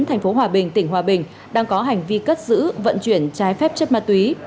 thành phố hòa bình tỉnh hòa bình đang có hành vi cất giữ vận chuyển trái phép chất ma túy